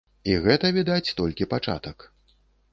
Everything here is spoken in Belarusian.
І гэта, відаць, толькі пачатак.